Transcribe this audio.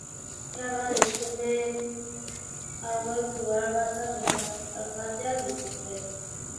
Pragan eskumen hauek udalbatzak eta alkateak dituzte.